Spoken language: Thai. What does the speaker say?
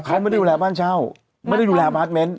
เขาไม่ได้ดูแลบ้านเช่าไม่ได้ดูแลพาร์ทเมนต์